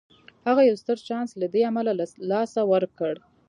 هغه يو ستر چانس له دې امله له لاسه ورکړ.